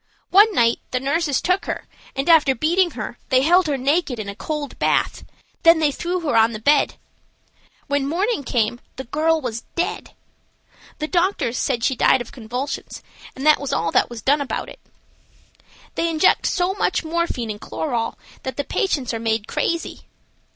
One night the nurses took her and, after beating her, they held her naked in a cold bath, then they threw her on her bed. When morning came the girl was dead. The doctors said she died of convulsions, and that was all that was done about it. "They inject so much morphine and chloral that the patients are made crazy.